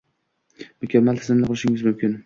mukammal tizimni qurishingiz mumkin.